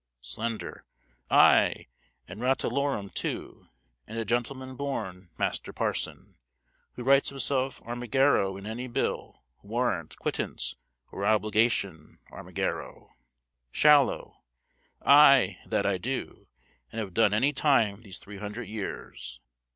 Slender. Ay, and ratolorum too, and a gentleman born, master parson; who writes himself Armigero in any bill, warrant, quittance, or obligation, Armigero. Shallow. Ay, that I do; and have done any time these three hundred years.